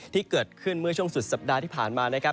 ที่เกิดขึ้นเมื่อช่วงสุดสัปดาห์ที่ผ่านมานะครับ